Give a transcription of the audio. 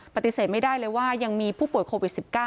ปฏิเสธไม่ได้เลยว่ายังมีผู้ป่วยโควิด๑๙